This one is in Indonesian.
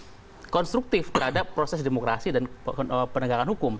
supaya undang undang ini konstruktif terhadap proses demokrasi dan penegakan hukum